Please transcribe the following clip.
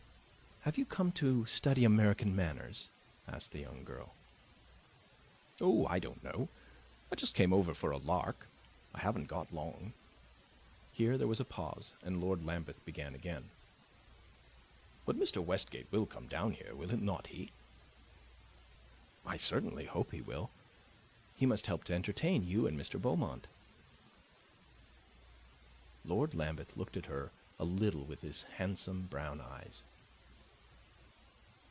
"Have you come to study American manners?" asked the young girl. "Oh, I don't know. I just came over for a lark. I haven't got long." Here there was a pause, and Lord Lambeth began again. "But Mr. Westgate will come down here, will not he?" "I certainly hope he will. He must help to entertain you and Mr. Beaumont." Lord Lambeth looked at her a little with his handsome brown eyes.